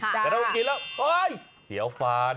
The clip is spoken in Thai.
แต่ถ้าคนอื่นกินแล้วโอ๊ยเสียวฟัน